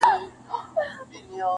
چي قاضي ته چا ورکړئ دا فرمان دی,